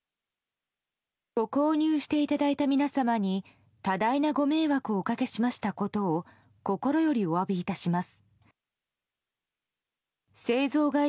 ご購入していただいた皆様に多大なご迷惑をおかけしましたことを心よりお詫びいたします。